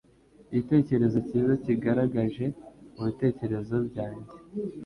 Igitekerezo cyiza cyigaragaje mubitekerezo byanjye.